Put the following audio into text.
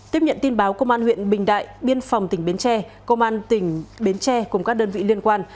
tiếp nhận tin báo công an huyện bình đại biên phòng tỉnh bến tre công an tỉnh bến tre cùng các đơn vị liên quan